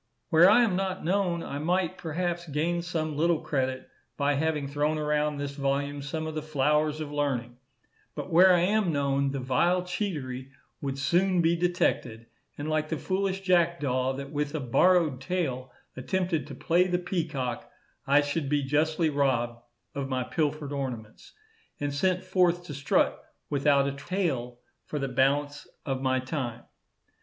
Where I am not known, I might, perhaps, gain some little credit by having thrown around this volume some of the flowers of learning; but where I am known, the vile cheatery would soon be detected, and like the foolish jackdaw, that with a borrowed tail attempted to play the peacock, I should be justly robbed of my pilfered ornaments, and sent forth to strut without a tail for the balance of my time.